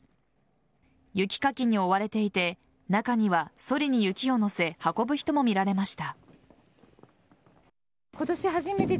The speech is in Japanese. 雪かきに追われていて中にはそりに雪を載せ運ぶ人も見られました。